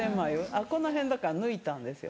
あっこの辺だから抜いたんですよ。